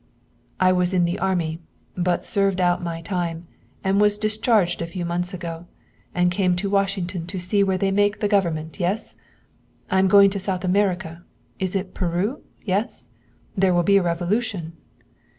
"I was in the army, but served out my time and was discharged a few months ago and came to Washington to see where they make the government yes? I am going to South America. Is it Peru? Yes; there will be a revolution."